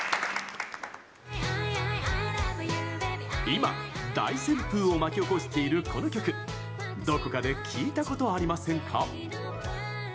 今、大旋風を巻き起こしているこの曲、どこかで聴いたことありませんか？